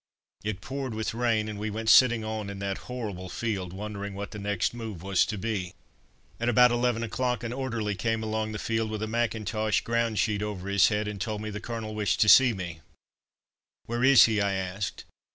It poured with rain, and we went sitting on in that horrible field, wondering what the next move was to be. At about eleven o'clock, an orderly came along the field with a mackintosh ground sheet over his head, and told me the Colonel wished to see me. "Where is he?" I asked.